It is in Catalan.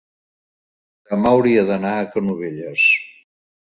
demà hauria d'anar a Canovelles.